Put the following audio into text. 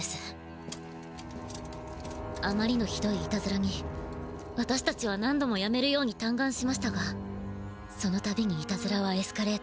あまりのひどいいたずらにわたしたちは何度もやめるようにたんがんしましたがそのたびにいたずらはエスカレート。